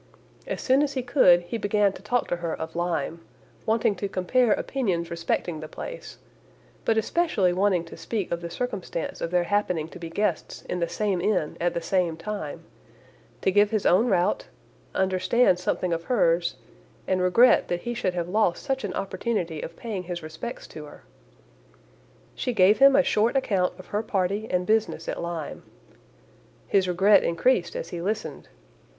As soon as he could, he began to talk to her of Lyme, wanting to compare opinions respecting the place, but especially wanting to speak of the circumstance of their happening to be guests in the same inn at the same time; to give his own route, understand something of hers, and regret that he should have lost such an opportunity of paying his respects to her. She gave him a short account of her party and business at Lyme. His regret increased as he listened.